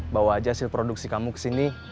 bawa aja hasil produksi kamu ke sini